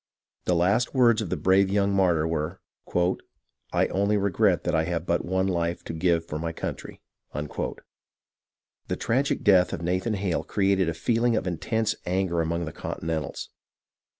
The last words of the brave young martyr were, " I only regret that I have but one life to give for my country." The tragic death of Nathan Hale created a feeling of in tense anger among the Continentals.